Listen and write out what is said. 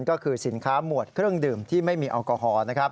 ก็คือสินค้าหมวดเครื่องดื่มที่ไม่มีแอลกอฮอล์